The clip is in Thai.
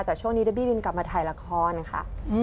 แต่ช่วงนี้ได้บี้บินกลับมาถ่ายละครค่ะ